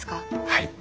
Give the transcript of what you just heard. はい。